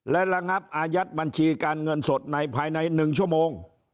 และระงับอายัดบัญชีการเงินสดในภายใน๑ชั่วโมง